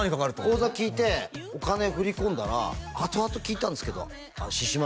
口座聞いてお金振り込んだらあとあと聞いたんですけどしし